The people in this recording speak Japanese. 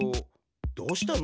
どうしたの？